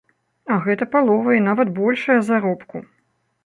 А гэта палова і нават большая заробку.